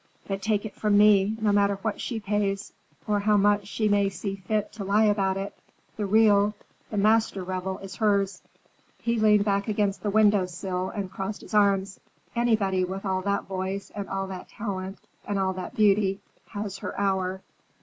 But take it from me, no matter what she pays, or how much she may see fit to lie about it, the real, the master revel is hers." He leaned back against the window sill and crossed his arms. "Anybody with all that voice and all that talent and all that beauty, has her hour.